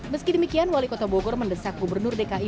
meski demikian wali kota bogor mendesak gubernur dki